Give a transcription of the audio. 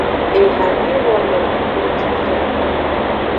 Eha de wano nojito o.